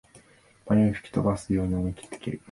迷いを吹き飛ばすように思いきって蹴る